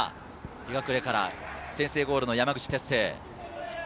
日隠から先制ゴールの山口輝星。